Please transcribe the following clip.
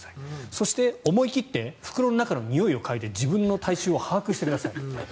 そして、思い切って袋の中のにおいを嗅いで自分の体臭を把握してください。